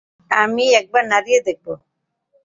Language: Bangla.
আমি একবার নাড়িয়ে দেখবো?